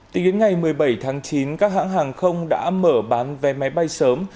tính đến ngày một mươi bảy tháng chín các hãng hàng không đã mở bán vé máy bay sớm